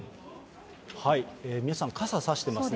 皆さん、傘差してますね。